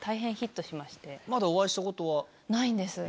まだお会いしたことは？ないんです。